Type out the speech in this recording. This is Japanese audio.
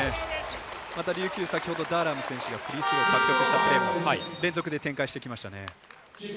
また琉球、先ほどダーラム選手がフリースロー獲得したプレーも連続で展開してきましたね。